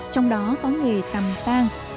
trong đó có nghề tằm tàng